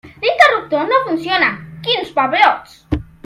L'interruptor no funciona, quins pebrots!